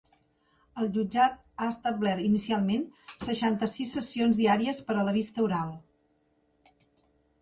El jutjat ha establert inicialment seixanta-sis sessions diàries per a la vista oral.